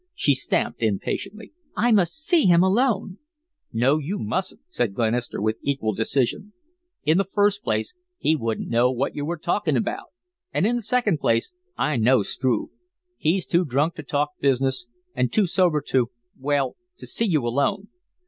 She stamped impatiently. "I must see him alone." "No, you mustn't," said Glenister, with equal decision. "In the first place, he wouldn't know what you were talking about, and in the second place I know Struve. He's too drunk to talk business and too sober to well, to see you alone."